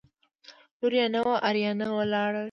لور یې نه وه اریان ولاړل.